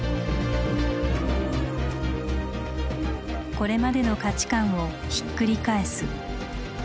これまでの価値観をひっくり返す。